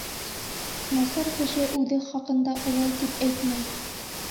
Насар кеше үҙе хаҡында улай тип әйтмәй.